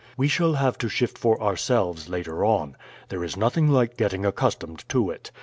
We shall have to shift for ourselves later on. There is nothing like getting accustomed to it.